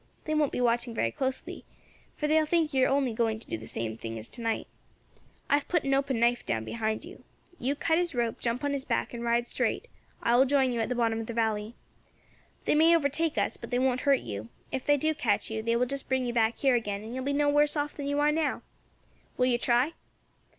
They won't be watching very closely, for they will think you are only going to do the same as to night. I have put an open knife down behind you. You cut his rope, jump on his back, and ride straight; I will join you at the bottom of the valley. They may overtake us, but they won't hurt you; if they do catch you, they will just bring you back here again, and you will be no worse off than you are now. Will you try?'